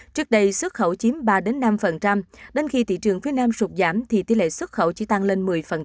trước đây xuất khẩu chiếm ba năm đến khi thị trường phía nam sụt giảm thì tỷ lệ xuất khẩu chỉ tăng lên một mươi